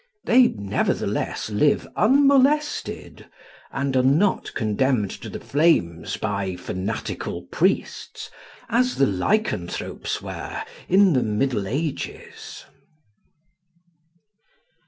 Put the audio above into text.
They nevertheless live unmolested, and are not condemned to the flames by fanatical priests, as the lycanthropes were in the Middle Ages.